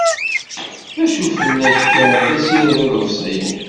D acu fell-ak kan, d asired iḍebsiyen.